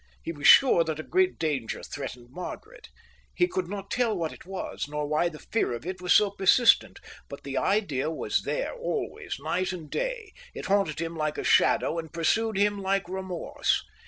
He was sure that a great danger threatened Margaret. He could not tell what it was, nor why the fear of it was so persistent, but the idea was there always, night and day; it haunted him like a shadow and pursued him like remorse.